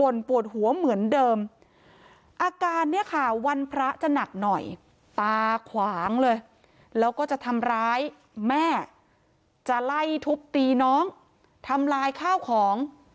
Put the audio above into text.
แล้วก็จะทำร้ายแม่จะไล่ทุบตีน้องทำร้ายข้าวของ